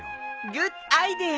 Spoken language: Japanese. グッドアイデア！